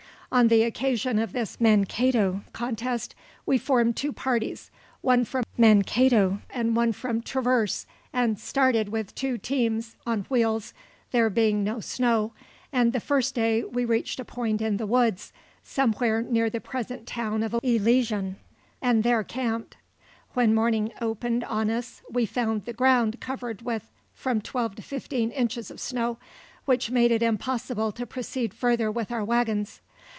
On the occasion of this Mankato contest we formed two parties, one from Mankato and one from Traverse, and started with two teams, on wheels, there being no snow, and the first day we reached a point in the woods, somewhere near the present town of Elysian, and there camped. When morning opened on us we found the ground covered with from twelve to fifteen inches of snow, which made it impossible to proceed further with our wagons.